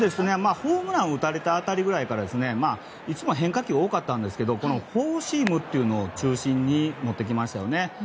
ホームランを打たれた辺りからいつも変化球が多かったんですがフォーシームを中心に持ってきましたよね。